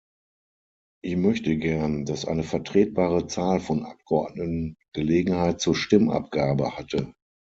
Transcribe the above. Ich möchte gern, dass eine vertretbare Zahl von Abgeordneten Gelegenheit zur Stimmabgabe hatte.